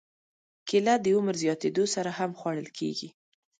کېله د عمر زیاتېدو سره هم خوړل کېږي.